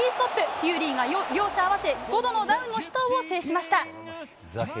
フューリーが両者合わせ５度のダウンの死闘を制しました。